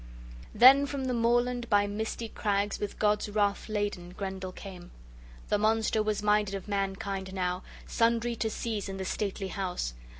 XI THEN from the moorland, by misty crags, with God's wrath laden, Grendel came. The monster was minded of mankind now sundry to seize in the stately house.